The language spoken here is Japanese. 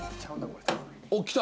おっきた！